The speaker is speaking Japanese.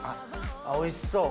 おいしそう！